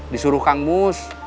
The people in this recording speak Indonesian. disuruh kang mus